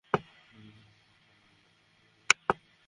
কারণ, ইসলাম পূর্ববর্তী সকল পাপ মোচন করে দেয়।